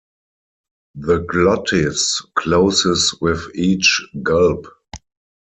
The glottis closes with each "gulp".